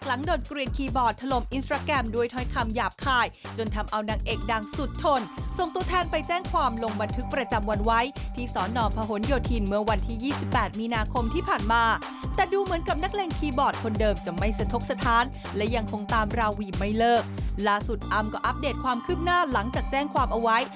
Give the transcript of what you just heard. อัมก็อัปเดตความคืบหน้าหลังจากแจ้งความเอาไว้